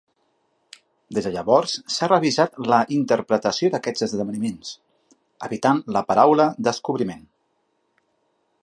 Des de llavors s'ha revistat la interpretació d'aquests esdeveniments, evitant la paraula descobriment.